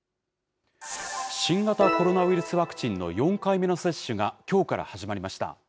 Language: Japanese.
新型コロナウイルスワクチンの４回目の接種が、きょうから始まりました。